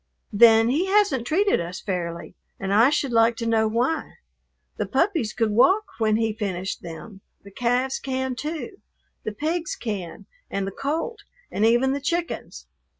"Then He hasn't treated us fairly, and I should like to know why. The puppies could walk when He finished them; the calves can, too. The pigs can, and the colt, and even the chickens.